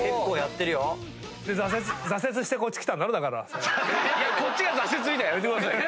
すごい！こっちが挫折みたいなのやめてくださいよ。